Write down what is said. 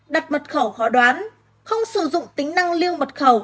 đặt mật khẩu khó đoán không sử dụng tính năng lưu mật khẩu